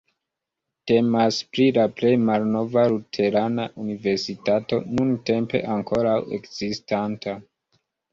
Temas pri la plej malnova luterana universitato nuntempe ankoraŭ ekzistanta.